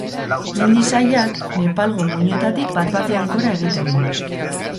Mendi sailak Nepalgo muinoetatik bat-batean gora egiten du.